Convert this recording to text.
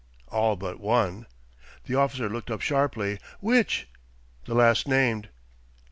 "All ... but one." The officer looked up sharply. "Which ?" "The last named."